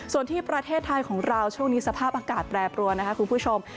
ส่วนที่ประเทศไทยของเราช่วงนี้สภาพอากาศแปรปรวนนะคะคุณผู้ชม